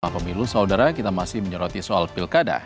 pemilu saudara kita masih menyoroti soal pilkada